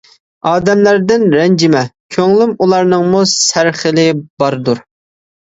ئادەملەردىن رەنجىمە كۆڭلۈم، ئۇلارنىڭمۇ سەر خىلى باردۇر.